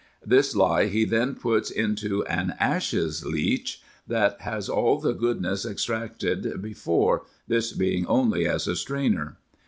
This lie he then puts into an ashes leach that has all the goodness ex tracted before, this being only as a strainer.